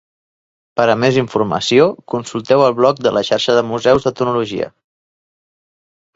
Per a més informació, consulteu el Blog de la Xarxa de Museus d'Etnologia.